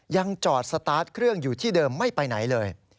ยังจอดสตาร์ทเครื่องอยู่ที่เดิมไม่ไปไหนเลย